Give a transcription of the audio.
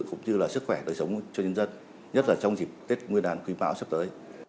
cũng như là sức khỏe đời sống cho nhân dân nhất là trong dịp tết nguyên đán quý bão sắp tới